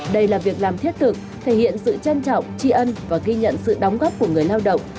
đây là việc làm thiết thực thể hiện sự trân trọng tri ân và ghi nhận sự đóng góp của người lao động